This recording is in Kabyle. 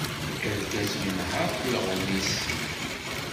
Argaz yenher alɣem-is.